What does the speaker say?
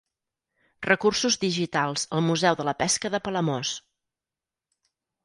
Recursos digitals al Museu de la Pesca de Palamós.